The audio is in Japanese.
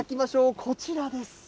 こちらです。